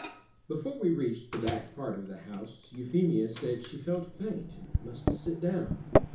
Before we reached the back part of the house Euphemia said she felt faint and must sit down.